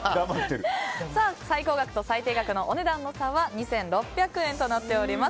最高額と最低額のお値段の差は２６００円となっております。